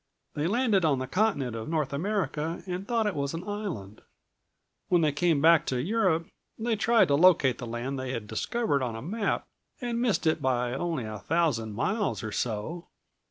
They landed on the continent of North America and thought it an island. When they came back to Europe they tried to locate the land they had discovered on a map, and missed it by only a thousand miles or so.